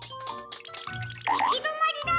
いきどまりだ！